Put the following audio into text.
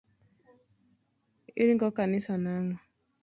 Iringo kanisa nang'o?